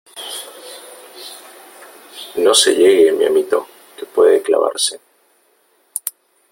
no se llegue , mi amito , que puede clavarse ...